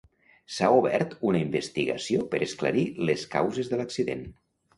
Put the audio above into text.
S'ha obert una investigació per esclarir les causes de l'accident.